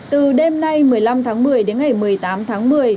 từ đêm nay một mươi năm tháng một mươi đến ngày một mươi tám tháng một mươi